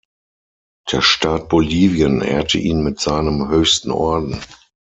Der Staat Bolivien ehrte ihn mit seinem höchsten Orden.